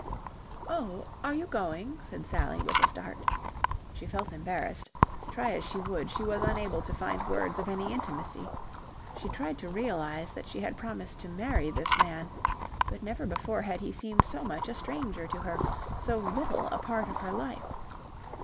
"Oh, are you going?" said Sally with a start. She felt embarrassed. Try as she would, she was unable to find words of any intimacy. She tried to realize that she had promised to marry this man, but never before had he seemed so much a stranger to her, so little a part of her life.